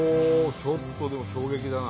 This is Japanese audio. ちょっとでも衝撃だな。